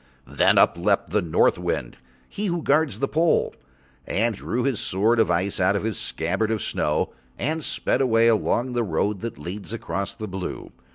Then up leapt the North Wind, he who guards the pole, and drew his sword of ice out of his scabbard of snow and sped away along the road that leads across the blue.